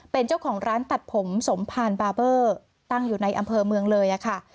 เป็นเจ้าของร้านตัดผมสมภารบาเบอร์ตั้งอยู่ในอำเภอเมืองเลยค่ะ